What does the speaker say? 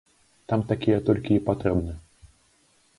Там такія толькі і патрэбны.